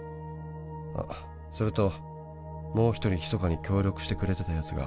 「あっそれともう一人ひそかに協力してくれてたやつが」